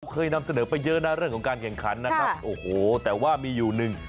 เคยนำเสนอไปเยอะนะเรื่องของการแข่งขันนะครับโอ้โหแต่ว่ามีอยู่หนึ่ง